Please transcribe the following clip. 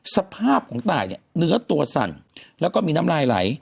สภาพของตายเนี่ยเนื้อตัวสั่นแล้วก็มีน้ำลายไหล